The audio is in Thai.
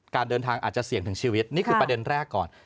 การเดินทางอาจจะเสี่ยงถึงชีวิตนี่คือประเด็นแรกก่อน